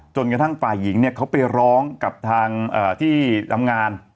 จนกระทั่งฝ่ายหญิงเขาไปร้องกับทางที่ทำงาน